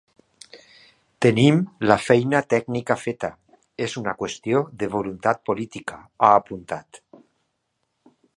Tenim la feina tècnica feta, és una qüestió de voluntat política, ha apuntat.